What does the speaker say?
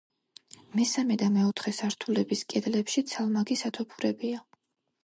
მესამე და მეოთხე სართულების კედლებში ცალმაგი სათოფურებია.